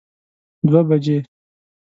دوه بجی